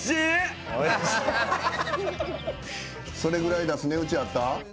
それぐらい出す値打ちあった？